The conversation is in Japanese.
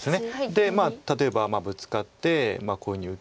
で例えばブツカってこういうふうに打って。